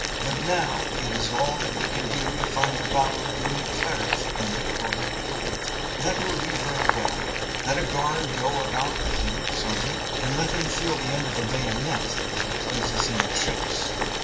but now it is all that we can do to find a bottle of new claret and a cold pullet." "That will do very well. Let a guard go about with him, sergeant, and let him feel the end of a bayonet if he plays us any tricks."